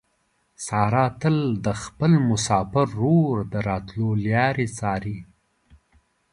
ساره تل د خپل مسافر ورور د راتلو لارې څاري.